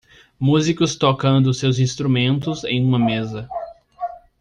Músicos tocando seus instrumentos em uma mesa.